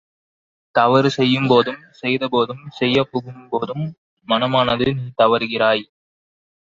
தவறு செய்யும்போதும் செய்த போதும் செய்யப் புகும் போதும் மனமானது நீ தவறுகிறாய்!